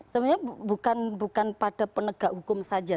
sebenarnya bukan pada penegak hukum saja